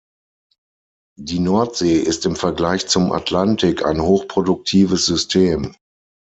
Die Nordsee ist im Vergleich zum Atlantik ein hochproduktives System.